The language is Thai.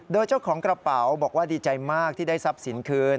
โดยเจ้าของกระเป๋าบอกว่าดีใจมากที่ได้ทรัพย์สินคืน